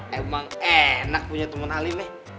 hehehe emang enak punya temen alim ya